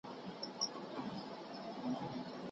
څنګه خلګو ته د ارزښت احساس ورکول کيږي؟